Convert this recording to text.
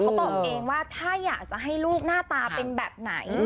บอกเองว่าถ้าอยากจะให้ลูกหน้าตาเป็นแบบไหน